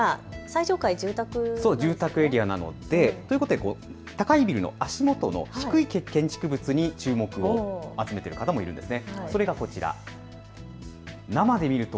最上階は住宅エリアなので高いビルの足元の低い建築物に注目をしている方もいるんです。